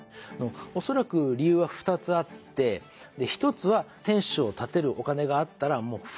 恐らく理由は２つあって一つは天守を建てるお金があったらもう復興に回そうと。